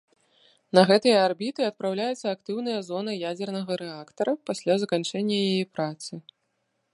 На гэтыя арбіты адпраўляецца актыўная зона ядзернага рэактара пасля заканчэння яе працы.